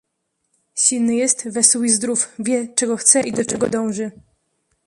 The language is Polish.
"Silny jest, wesół i zdrów, wie, czego chce i do czego dąży."